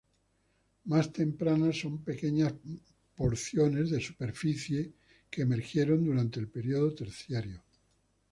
Más tempranas son pequeñas porciones de superficie que emergieron durante el período terciario.